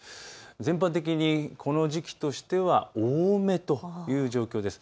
全般的にこの時期としては多めという状況です。